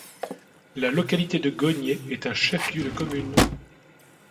La localité de Gogné est un chef-lieu de commune.